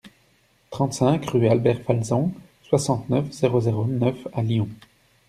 trente-cinq rue Albert Falsan, soixante-neuf, zéro zéro neuf à Lyon